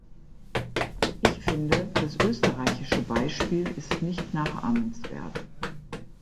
Ich finde, das österreichische Beispiel ist nicht nachahmenswert.